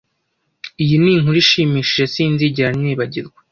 Iyi ni inkuru ishimishije sinzigera nibagirwa.